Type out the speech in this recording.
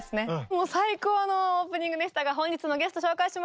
もう最高のオープニングでしたが本日のゲスト紹介します。